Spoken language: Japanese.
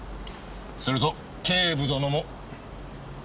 それと警部殿も。